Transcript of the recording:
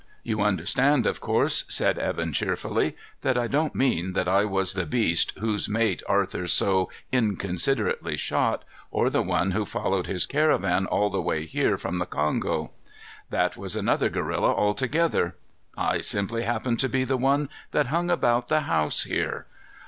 "You understand, of course," said Evan cheerfully, "that I don't mean that I was the beast whose mate Arthur so inconsiderately shot, or the one who followed his caravan all the way here from the Kongo. That was another gorilla altogether. I simply happen to be the one that hung about the house here.